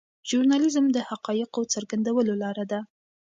ژورنالیزم د حقایقو څرګندولو لاره ده.